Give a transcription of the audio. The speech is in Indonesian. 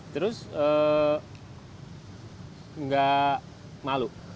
terus enggak malu